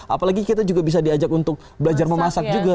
apalagi kita juga bisa diajak untuk belajar memasak juga